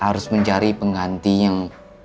saya mencari pengganti yang